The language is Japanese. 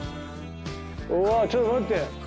うわっちょっと待って！